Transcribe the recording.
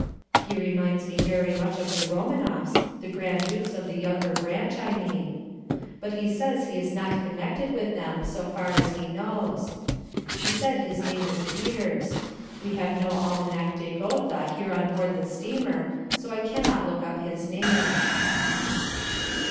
He reminds me very much of the Romanoffs, the Grand Dukes of the younger branch, I mean. But he says he is not connected with them, so far as he knows. He said his name is Peters. We have no Almanach de Gotha here on board the steamer, so I cannot look up his name.